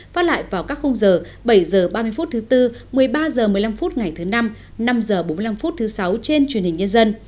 phát lại vào các khung giờ bảy h ba mươi phút thứ tư một mươi ba h một mươi năm phút ngày thứ năm năm h bốn mươi năm thứ sáu trên truyền hình nhân dân